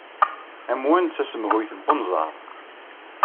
Amwan d tasemhuyt n unẓar.